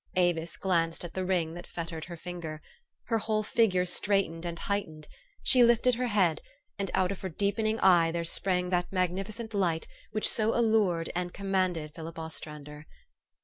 Avis glanced at the ring that fettered her finger. Her whole figure straightened and heightened : she lifted her head, and out of her deepening eye there sprang that magnifi cent light which so allured and commanded Philip Ostrander.